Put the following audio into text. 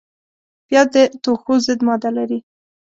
پیاز د توښو ضد ماده لري